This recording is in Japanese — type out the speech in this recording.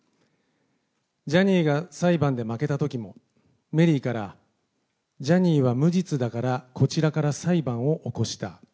ジャニーが裁判で負けたときも、メリーから、ジャニーは無実だから、こちらから裁判を起こした。